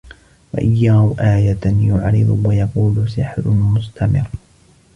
وَإِنْ يَرَوْا آيَةً يُعْرِضُوا وَيَقُولُوا سِحْرٌ مُسْتَمِرٌّ